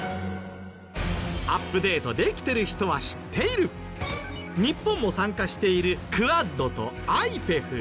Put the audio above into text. アップデートできてる人は知っている日本も参加しているＱＵＡＤとＩＰＥＦ。